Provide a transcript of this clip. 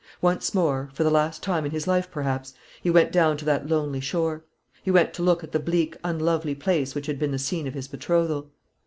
Once more, for the last time in his life perhaps, he went down to that lonely shore. He went to look at the bleak unlovely place which had been the scene of his betrothal.